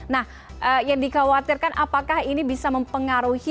nah yang dikhawatirkan apakah ini bisa mempengaruhi